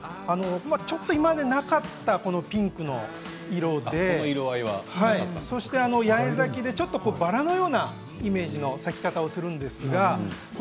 今までなかったピンクの色で八重咲きでちょっとバラのようなイメージの咲き方をするんです。